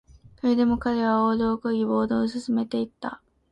それでも彼はオールを漕ぎ、ボートを進めていった